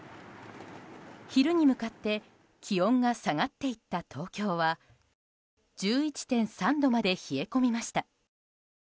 昼に向かって気温が下がっていった東京は１１．３度まで冷え込みました。